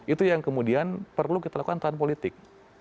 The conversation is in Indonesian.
itu yang kemudian perlu kita lakukan tahun politik